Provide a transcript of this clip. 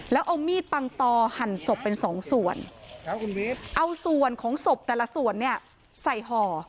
แล้วเอามีดปังตอหั่นศพเป็นสองส่วนเอาส่วนของศพแต่ละส่วนเนี่ยใส่ห่อ